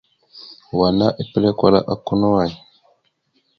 Wa ana epəlé kwala aka no way.